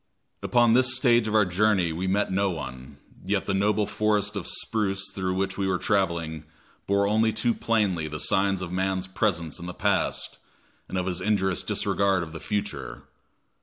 Upon this stage of our journey we met no one, yet the noble forest of spruce through which we were traveling bore only too plainly the signs of man's presence in the past, and of his injurious disregard of the future.